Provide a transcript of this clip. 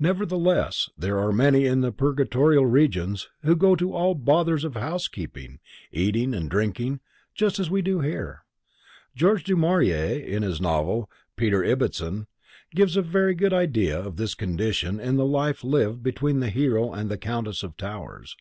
Nevertheless, there are many in the purgatorial regions who go to all bothers of housekeeping, eating and drinking just as we do here. George Du Maurier in his novel "Peter Ibbetson" gives a very good idea of this condition in the life lived between the hero and the Countess of Towers.